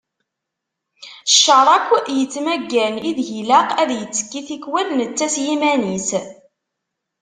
Cceṛ akk yettmaggan ideg ilaq ad yettekki tikwal netta s yiman-is.